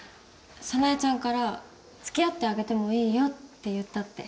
早苗ちゃんから「付き合ってあげてもいいよ」って言ったって。